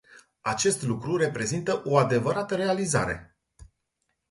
Acest lucru reprezintă o adevărată realizare.